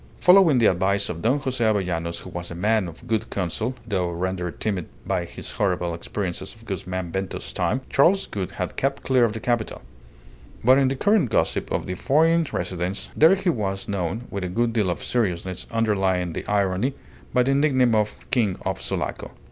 Following the advice of Don Jose Avellanos, who was a man of good counsel (though rendered timid by his horrible experiences of Guzman Bento's time), Charles Gould had kept clear of the capital; but in the current gossip of the foreign residents there he was known (with a good deal of seriousness underlying the irony) by the nickname of "King of Sulaco."